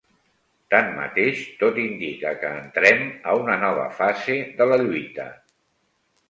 Tanmateix tot indica que entrem a una nova fase de la lluita.